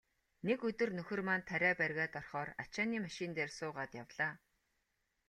Нэг өдөр нөхөр маань тариа бригад орохоор ачааны машин дээр суугаад явлаа.